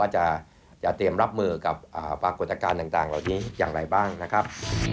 จะเตรียมรับมือกับปรากฏการณ์ต่างเหล่านี้อย่างไรบ้างนะครับ